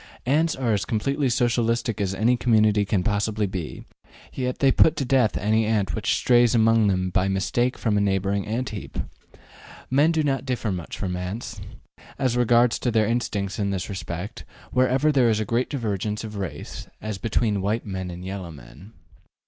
Ants are as completely Socialistic as any community can possibly be, yet they put to death any ant which strays among them by mistake from a neighboring ant heap. Men do not differ much from ants, as regards their instincts in this respect, where ever there is a great divergence of race, as between white men and yellow men.